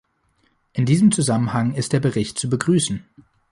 In diesem Zusammenhang ist der Bericht zu begrüßen.